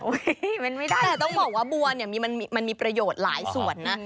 มันไม่ได้แต่ต้องบอกว่าบัวเนี่ยมันมีประโยชน์หลายส่วนนะ